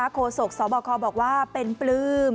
โศกสบคบอกว่าเป็นปลื้ม